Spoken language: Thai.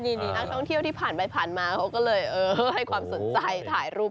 นี่นักท่องเที่ยวที่ผ่านไปผ่านมาเขาก็เลยให้ความสนใจถ่ายรูป